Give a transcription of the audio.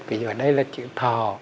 ví dụ đây là chữ thò